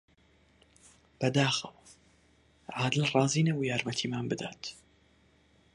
بەداخەوە، عادل ڕازی نەبوو یارمەتیمان بدات.